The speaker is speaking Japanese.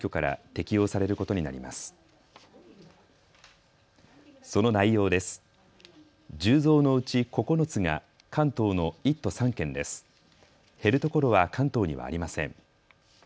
減るところは関東にはありません。